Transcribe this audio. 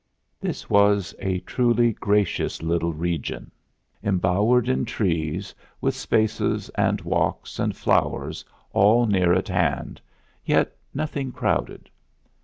This was a truly gracious little region, embowered in trees, with spaces and walks and flowers all near at hand, yet nothing crowded.